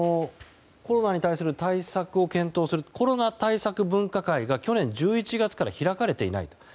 コロナに対する対策を検討するコロナ対策分科会が去年１１月から開かれていない。